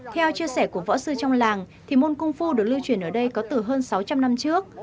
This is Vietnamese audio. theo chia sẻ của võ sư trong làng thì môn công phu được lưu truyền ở đây có từ hơn sáu trăm linh năm trước